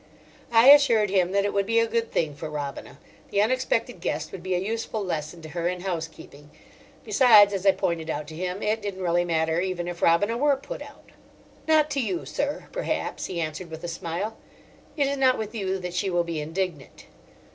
I assured him that it would be a good thing for Robina; the unexpected guest would be a useful lesson to her in housekeeping. Besides, as I pointed out to him, it didn't really matter even if Robina were put out. "Not to you, sir, perhaps," he answered, with a smile. "It is not with you that she will be indignant."